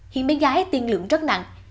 hiện bé gái tiên lượng rất nặng